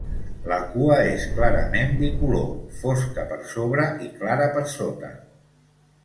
La cua és clarament bicolor, fosca per sobre i clara per sota.